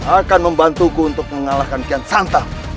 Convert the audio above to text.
akan membantuku untuk mengalahkan kian santa